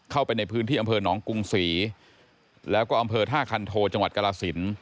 เข้าไปในพื้นที่อำเภอหนองกรุงศรีแล้วก็อำเภอท่าคันโทจังหวัดกรสิน